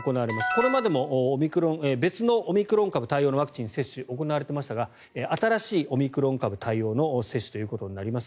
これまでも別のオミクロン株対応のワクチン接種行われていましたが新しいオミクロン株対応の接種となります。